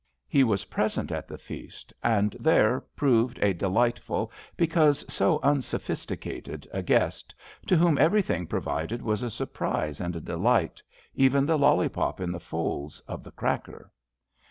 He was present at the feast, and there proved a delightful, because so unsophisticated, a guest, to whom everything provided was a surprise and a delight, even the lollipop in the folds of the cracker.